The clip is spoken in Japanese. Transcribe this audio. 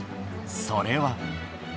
それは。